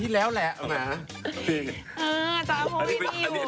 ตังค์ให้มีสมัย